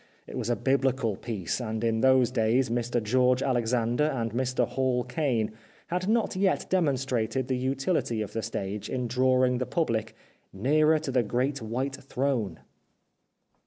It was a Biblical piece ; and in those days Mr George Alexander and Mr Hall Caine had not yet demonstrated the utility of the stage in drawing the public " nearer to the Great White Throne."